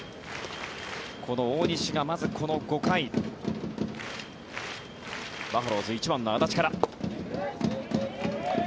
この大西がまず、この５回バファローズ、１番の安達から。